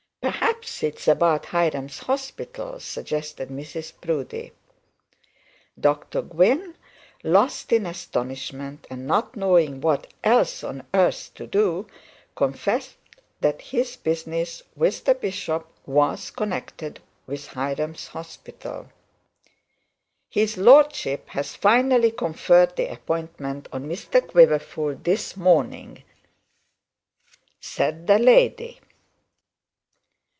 'Perhaps it's about Hiram's Hospital,' suggested Mrs Proudie. Dr Gwynne, lost in astonishment, and not knowing what else on earth to do, confessed that his business with the bishop was connected with Hiram's Hospital. 'His lordship has finally conferred the appointment on Mr Quiverful this morning,' said the lady.